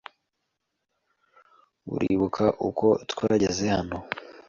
Uribuka uko twageze hano?